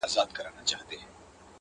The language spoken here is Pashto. مرور له پلاره ولاړی په غصه سو,